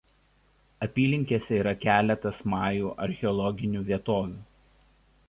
Apylinkėse yra keletas majų archeologinių vietovių.